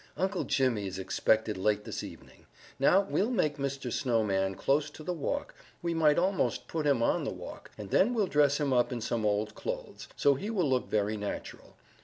"Uncle Jimmy is expected late this evening. Now, we'll make Mr. Snowman close to the walk we might almost put him on the walk, and then we'll dress him up in some old clothes, so he will look very natural.